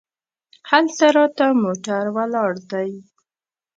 هلته راته موټر ولاړ دی.